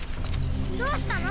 どうしたの？